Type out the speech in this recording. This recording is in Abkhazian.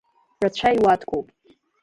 Рацәа иуаткоуп!